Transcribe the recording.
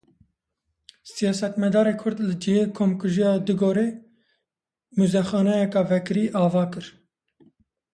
Siyasetmedarê Kurd li cihê Komkujiya Dugorê muzexaneyeke vekirî ava kir.